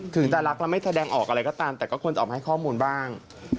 ถึงจะรักแล้วไม่แสดงออกอะไรก็ตามแต่ก็ควรจะออกมาให้ข้อมูลบ้าง